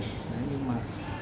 đấy nhưng mà